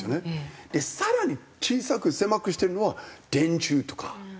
更に小さく狭くしてるのは電柱とか。